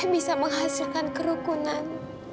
bisa menghasilkan kerukunan